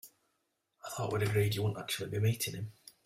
I thought we'd agreed that you wouldn't actually be meeting him?